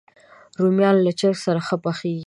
رومیان له چرګ سره ښه پخېږي